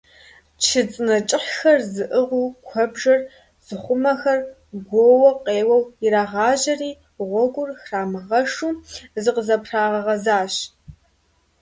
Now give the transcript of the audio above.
Чы цӀынэ кӀыхьхэр зыӀыгъыу куэбжэр зыхъумэхэр гуоууэ къеуэу ирагъажьэри, гъуэгур храмыгъэшу зыкъызэпрагъэгъэзащ.